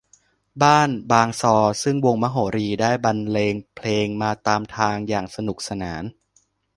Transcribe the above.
บ้านบางซอซึ่งวงมโหรีได้บรรเลงเพลงมาตามทางอย่างสนุกสนาน